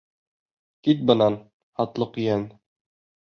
Кит бынан, һатлыҡ йән!